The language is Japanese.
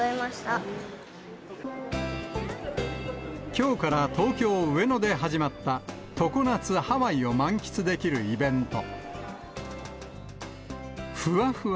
きょうから東京・上野で始まった常夏、ハワイを満喫できるイベント。